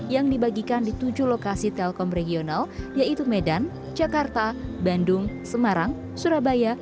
yang dibagikan di tujuh lokasi telkom regional yaitu medan jakarta bandung semarang surabaya